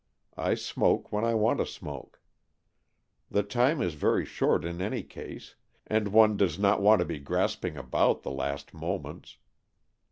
I smoke when I want to smoke. The time is very short in any case, and one does not want to be grasping about the last moments.